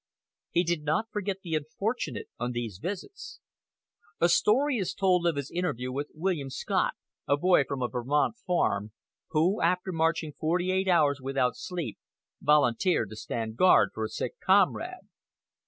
He did not forget the unfortunate on these visits. A story is told of his interview with William Scott, a boy from a Vermont farm, who, after marching forty eight hours without sleep, volunteered to stand guard for a sick comrade.